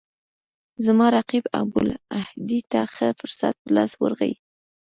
زما رقیب ابوالهدی ته ښه فرصت په لاس ورغی.